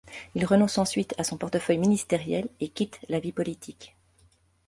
Il renonce ensuite à son portefeuille ministériel, et quitte la vie politique.